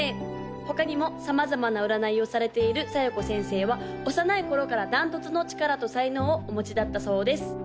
他にも様々な占いをされている小夜子先生は幼い頃から断トツの力と才能をお持ちだったそうです